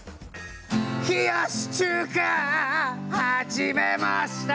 「冷やし中華始めました」